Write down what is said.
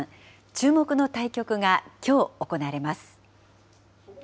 注目の対局がきょう、行われます。